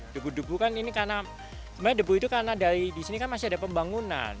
debu debu kan ini karena sebenarnya debu itu karena dari di sini kan masih ada pembangunan